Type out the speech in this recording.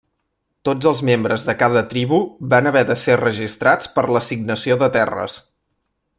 Tots els membres de cada tribu van haver de ser registrats per l'assignació de terres.